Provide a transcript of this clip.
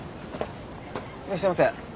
いらっしゃいませ。